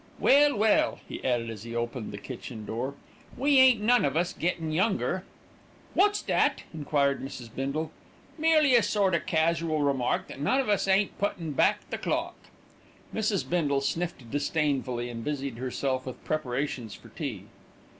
Well, well," he added as he opened the kitchen door, "we ain't none of us gettin' younger." "Wot's that?" enquired Mrs. Bindle. "Merely a sort o' casual remark that none of us ain't puttin' back the clock." Mrs. Bindle sniffed disdainfully, and busied herself with preparations for tea.